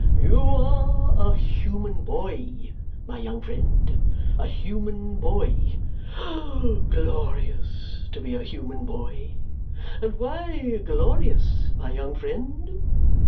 You are a human boy, my young friend. A human boy. O glorious to be a human boy! And why glorious, my young friend?